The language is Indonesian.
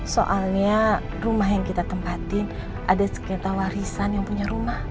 soalnya rumah yang kita tempatin ada sekitar warisan yang punya rumah